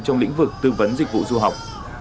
trong lĩnh vực tư vấn dịch vụ du học